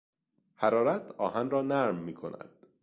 حرارت آهن را نرم میکند.